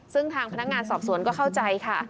ซึ่งทางพนักงานสอบสวนก็เข้าใจค่ะ